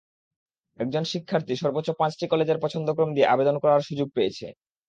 একজন শিক্ষার্থী সর্বোচ্চ পাঁচটি কলেজের পছন্দক্রম দিয়ে আবেদন করার সুযোগ পেয়েছে।